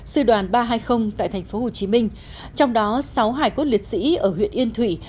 sư đoàn ba trăm hai mươi tại tp hcm trong đó sáu hải cốt liệt sĩ ở huyện yên thủy